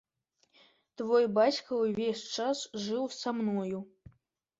Твой бацька ўвесь час жыў са мною.